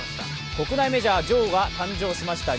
国内メジャー女王が誕生しました。